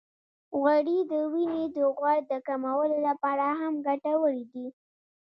غوړې د وینې د غوړ د کمولو لپاره هم ګټورې دي.